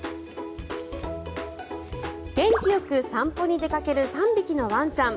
元気よく散歩に出かける３匹のワンちゃん。